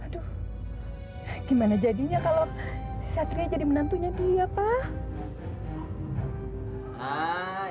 aduh gimana jadinya kalau satria jadi menantunya dia pak